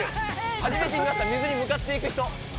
初めて見ました、水に向かっていく人。